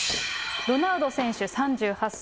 ロナウド選手３８歳。